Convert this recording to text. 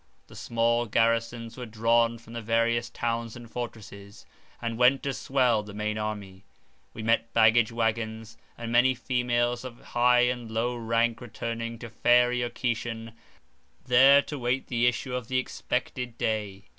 The small garrisons were drawn from the various towns and fortresses, and went to swell the main army. We met baggage waggons, and many females of high and low rank returning to Fairy or Kishan, there to wait the issue of the expected day.